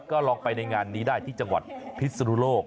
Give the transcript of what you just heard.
ก็ลองไปในงานนี้ได้ที่จังหวัดพิศนุโลก